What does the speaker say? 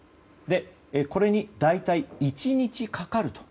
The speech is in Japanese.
これに大体１日かかると。